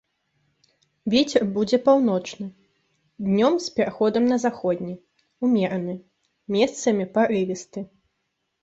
Вецер будзе паўночны, днём з пераходам на заходні, умераны, месцамі парывісты.